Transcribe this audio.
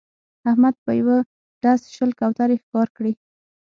احمد په یوه ډز شل کوترې ښکار کړې